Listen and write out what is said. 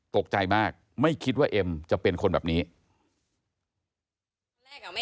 ตกใจมากไม่คิดว่าเอ็มจะเป็นคนแบบนี้